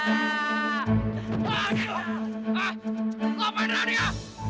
loh apaan rani ya